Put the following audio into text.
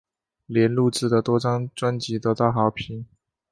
莲录制的多张专辑得到好评。